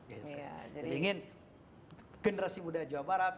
jadi ingin generasi muda jawa barat